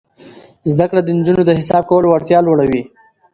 زده کړه د نجونو د حساب کولو وړتیا لوړوي.